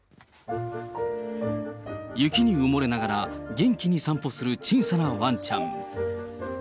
雪に埋もれながら、元気に散歩する小さなわんちゃん。